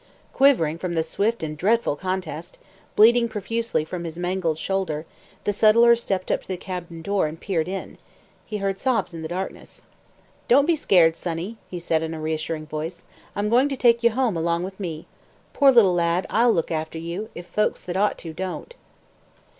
Quivering from the swift and dreadful contest, bleeding profusely from his mangled shoulder, the settler stepped up to the cabin door and peered in. He heard sobs in the darkness. "Don't be scared, sonny," he said, in a reassuring voice. "I'm going to take you home along with me. Poor little lad, I'll look after you, if folks that ought to don't."